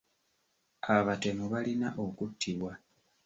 Abatemu balina okuttibwa.